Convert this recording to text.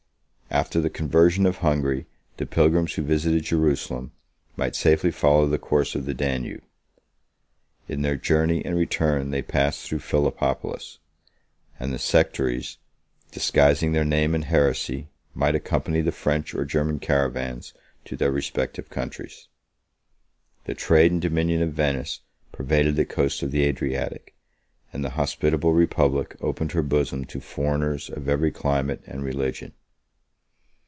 After the conversion of Hungary, the pilgrims who visited Jerusalem might safely follow the course of the Danube: in their journey and return they passed through Philippopolis; and the sectaries, disguising their name and heresy, might accompany the French or German caravans to their respective countries. The trade and dominion of Venice pervaded the coast of the Adriatic, and the hospitable republic opened her bosom to foreigners of every climate and religion.